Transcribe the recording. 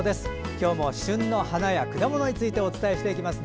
今日も旬の花や果物についてお伝えしていきます。